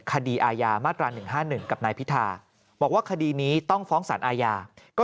คดีอาญามาตรา๑๕๑กับนายพิธาบอกว่าคดีนี้ต้องฟ้องสารอาญาก็